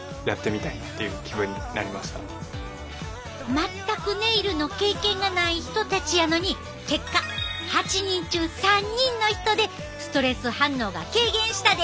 全くネイルの経験がない人たちやのに結果８人中３人の人でストレス反応が軽減したで。